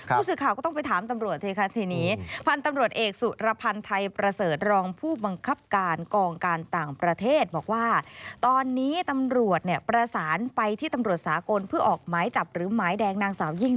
ผู้สื่อข่าวก็ต้องไปถามตำรวจพ่อนตำรวจเอกสุรพันธ์ไทย